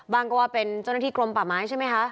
บางก็ว่าเป็นเจ้าหน้าที่กลมป่าไม้ใช่มั้ยฮะ